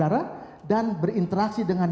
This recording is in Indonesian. darah dan berinteraksi dengan